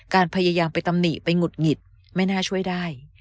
พยายามไปตำหนิไปหงุดหงิดไม่น่าช่วยได้